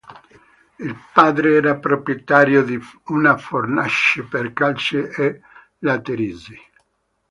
Il padre era proprietario di una fornace per calce e laterizi.